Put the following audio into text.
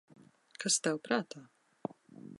Kas tev prātā?